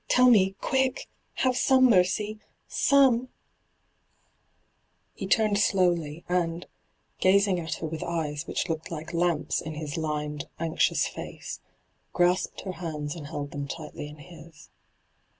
' Tell me — quick ! Have some mercy — some !' He turned slowly, and, ga^ng at her with eyes which looked like lamps in his lined, hyGoo>^lc 238 ENTRAPPED anxiouB face, grasped her hands and held them tightly in his.